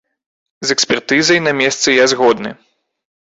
З экспертызай на месцы я згодны.